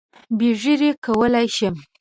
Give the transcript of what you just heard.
بې ږیرې کولای شم.